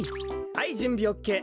はいじゅんびオッケー。